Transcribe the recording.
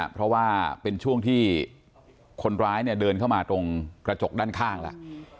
เพราะว่าเป็นช่วงที่คนร้ายเนี่ยเดินเข้ามาตรงกระจกด้านข้างแล้ว